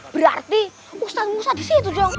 berarti ustaz musa di situ dong